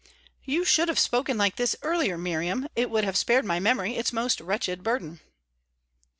"You should have spoken like this earlier, Miriam. It would have spared my memory its most wretched burden."